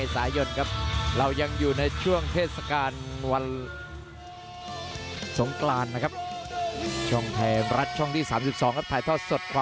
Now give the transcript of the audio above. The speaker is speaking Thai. นี่คืออังยีศุนธรบองนาเปรียว